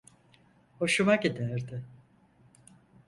Hoşuma giderdi.